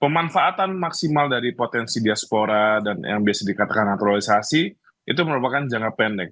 pemanfaatan maksimal dari potensi diaspora dan yang biasa dikatakan naturalisasi itu merupakan jangka pendek